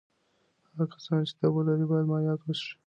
هغه کسان چې تبه لري باید مایعات وڅښي.